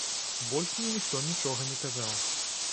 Больш мне ніхто нічога не казаў.